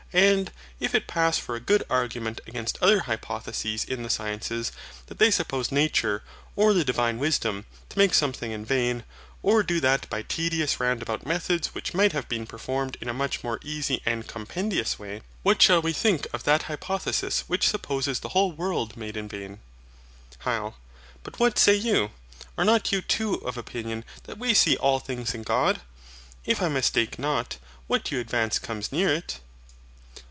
And, if it pass for a good argument against other hypotheses in the sciences, that they suppose Nature, or the Divine wisdom, to make something in vain, or do that by tedious roundabout methods which might have been performed in a much more easy and compendious way, what shall we think of that hypothesis which supposes the whole world made in vain? HYL. But what say you? Are not you too of opinion that we see all things in God? If I mistake not, what you advance comes near it.